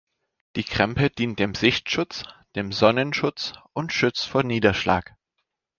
Die Krempe dient dem Sichtschutz, dem Sonnenschutz und schützt vor Niederschlag.